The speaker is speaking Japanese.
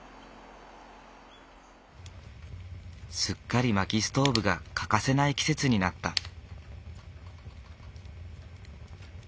すっかりまきストーブが欠かせない季節になった。